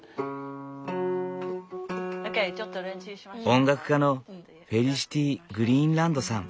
音楽家のフェリシティ・グリーンランドさん。